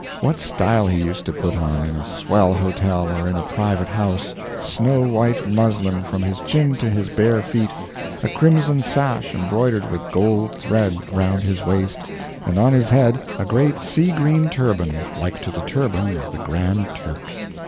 What style he used to put on, in a swell hotel or in a private house snow white muslin from his chin to his bare feet, a crimson sash embroidered with gold thread around his waist, and on his head a great sea green turban like to the turban of the Grand Turk.